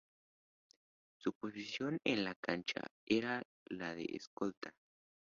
Su posición en la cancha era la de escolta.